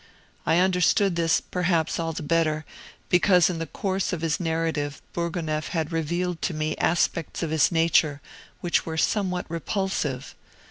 I understood this, perhaps, all the better, because in the course of his narrative Bourgonef had revealed to me aspects of his nature which were somewhat repulsive.